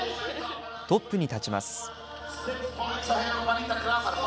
トップに立ちます。